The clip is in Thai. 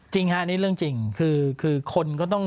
จริงฮะนี่เรื่องจริงคือคนก็ต้อง